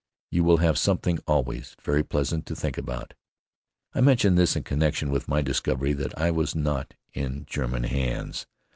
You will have something, always, very pleasant to think about." I mention this in connection with my discovery that I was not in German hands.